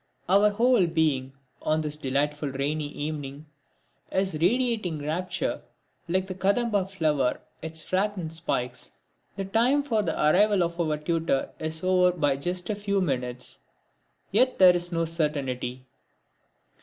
Our whole being, on this delightful rainy evening, is radiating rapture like the Kadamba flower its fragrant spikes. The time for the arrival of our tutor is over by just a few minutes. Yet there is no certainty...!